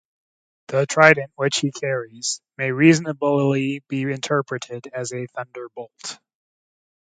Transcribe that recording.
The trident which he carries may reasonably be interpreted as a thunderbolt.